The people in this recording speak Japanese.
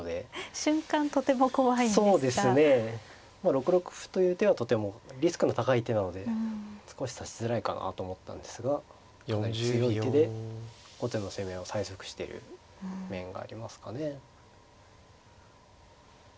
６六歩という手はとてもリスクの高い手なので少し指しづらいかなと思ったんですがかなり強い手で後手の攻めを催促してる面がありますかね。